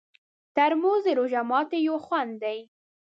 ترموز د روژه ماتي یو خوند دی.